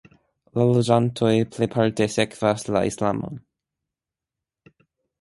La loĝantoj plejparte sekvas la Islamon.